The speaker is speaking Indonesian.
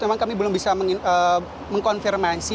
memang kami belum bisa mengkonfirmasi